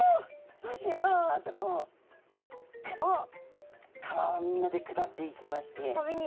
「そうしよう」とこう川をみんなで下っていきまして。